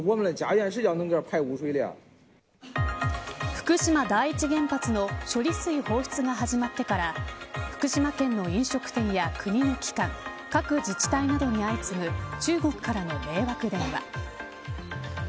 福島第一原発の処理水放出が始まってから福島県の飲食店や国の機関各自治体などに相次ぐ中国からの迷惑電話。